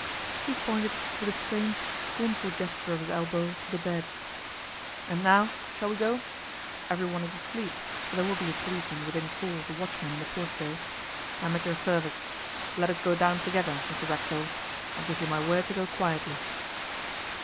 He pointed, with a strange, scornful gesture of his elbow, to the bed. 'And now, shall we go? Everyone is asleep, but there will be a policeman within call of the watchman in the portico. I am at your service. Let us go down together, Mr Racksole. I give you my word to go quietly.